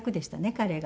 彼が。